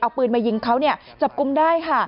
เอาปืนมายิงเขาจับกลุ่มได้ค่ะ